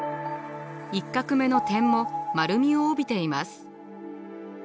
１画目の点も丸みを帯びています。